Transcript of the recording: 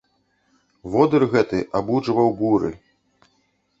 Водыр гэты абуджваў буры.